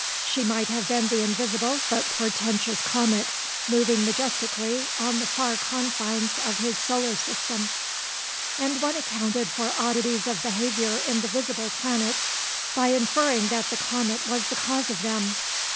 She might have been the invisible but portentous comet moving majestically on the far confines of his solar system; and one accounted for oddities of behaviour in the visible planets by inferring that the comet was the cause of them.